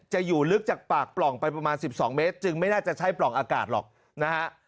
จะอยู่ลึกจากปากปล่องไปประมาณ๑๒เมตรจึงไม่น่าจะใช่ปล่องอากาศหรอกนะฮะ